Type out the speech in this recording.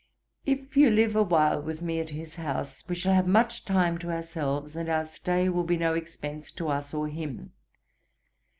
If you live awhile with me at his house, we shall have much time to ourselves, and our stay will be no expence to us or him.